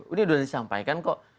ini sudah disampaikan kok